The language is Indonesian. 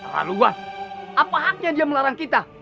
haluan apa haknya dia melarang kita